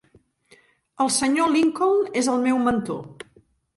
El Sr. Lincoln és el meu mentor.